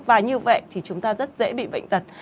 và như vậy thì chúng ta rất dễ bị bệnh tật